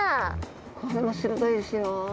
これも鋭いですよ。